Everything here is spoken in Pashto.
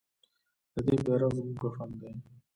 د دې بیرغ زموږ کفن دی؟